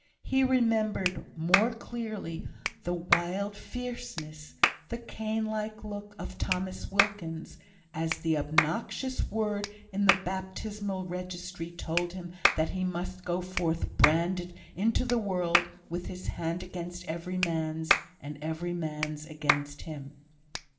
He remembered more clearly the wild fierceness, the Cain like look, of Thomas Wilkins, as the obnoxious word in the baptismal registry told him that he must go forth branded into the world, with his hand against every man's, and every man's against him.